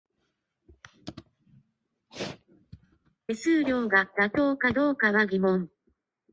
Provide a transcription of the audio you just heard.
手数料が妥当かどうかは疑問